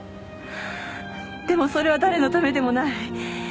でもそれは誰のためでもない。